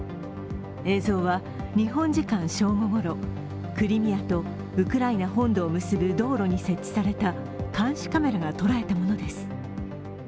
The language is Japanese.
映像は日本時間正午ごろ、クリミアとウクライナ本土を結ぶ道路に設置された監視カメラが捉えたものです。